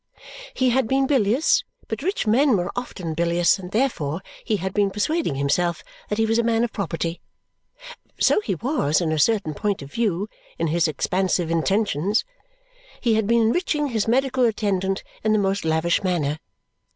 He had been bilious, but rich men were often bilious, and therefore he had been persuading himself that he was a man of property. So he was, in a certain point of view in his expansive intentions. He had been enriching his medical attendant in the most lavish manner.